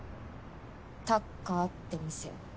タッカーって店。